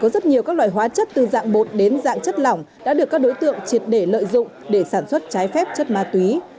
đến dạng chất lỏng đã được các đối tượng triệt để lợi dụng để sản xuất trái phép chất ma túy